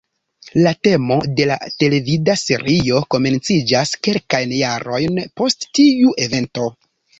La temo de la televida serio komenciĝas kelkajn jarojn post tiu evento.